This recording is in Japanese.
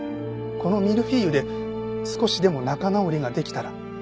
このミルフィーユで少しでも仲直りができたら。